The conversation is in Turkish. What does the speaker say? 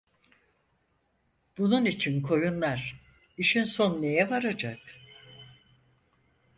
Bunun için koyunlar, işin sonu neye varacak?